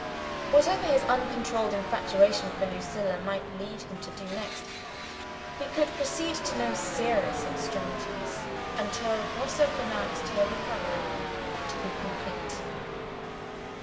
Whatever his uncontrolled infatuation for Lucilla might lead him to do next, he could proceed to no serious extremities until Grosse pronounced her recovery to be complete.